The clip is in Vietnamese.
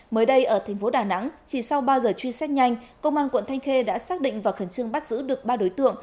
mới đây ở tp đà nẵng chỉ sau ba giờ truy xét nhanh công an quận thanh khê đã xác định và khẩn trương bắt giữ được ba đối tượng